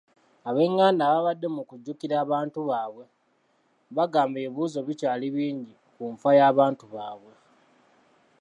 Ab'enganda ababadde mu kujjukira abantu baabwe, bagamba ebibuuzo bikyali bingi ku nfa y'abantu baabwe.